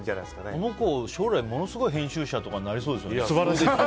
この子、将来ものすごい編集者とかに素晴らしいです。